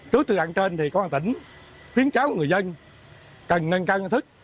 trước từ đằng trên thì có một tỉnh khuyến cáo người dân cần nâng cao năng thức